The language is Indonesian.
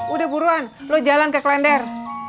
udah buruan lo jalan ke klender